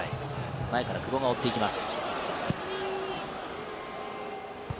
前から久保が追っていきます。